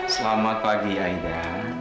selamat pagi aida